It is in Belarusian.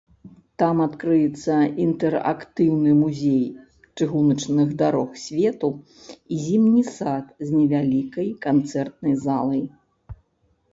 Там адкрыецца інтэрактыўны музей чыгуначных дарог свету і зімні сад з невялікай канцэртнай залай.